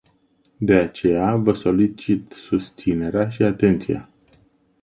De aceea, vă solicit susținerea și atenția.